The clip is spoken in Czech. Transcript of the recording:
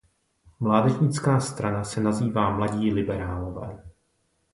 Mládežnická strana se nazývá Mladí liberálové.